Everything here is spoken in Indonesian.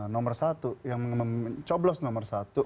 nomor satu yang mencoblos nomor satu